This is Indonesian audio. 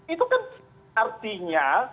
itu kan artinya